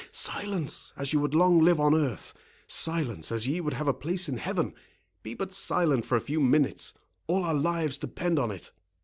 "Silence, as you would long live on earth—silence, as ye would have a place in heaven; be but silent for a few minutes—all our lives depend on it."